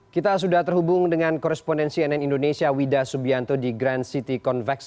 kita sudah terhubung dengan korespondensi nn indonesia wida subianto di grand city convex